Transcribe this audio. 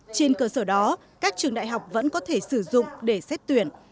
trên cơ sở đó các trường đại học vẫn có thể sử dụng để xét tuyển